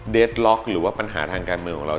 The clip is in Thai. ล็อกหรือว่าปัญหาทางการเมืองของเรา